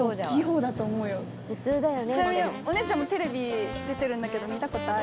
ちなみにお姉ちゃんもテレビ出てるんだけど見たことある？